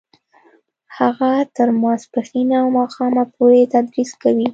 هغه تر ماسپښینه او ماښامه پورې تدریس کوي